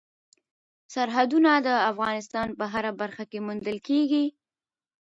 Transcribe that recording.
سرحدونه د افغانستان په هره برخه کې موندل کېږي.